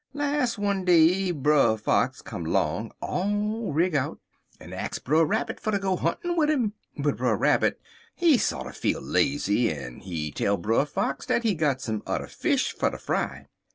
"Las', one day Brer Fox come 'long all rig out, en ax Brer Rabbit fer ter go huntin' wid 'im, but Brer Rabbit, he sorter feel lazy, en he tell Brer Fox dat he got some udder fish fer ter fry.